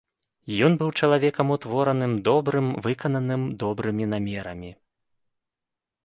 Ён быў чалавекам утвораным, добрым, выкананым добрымі намерамі.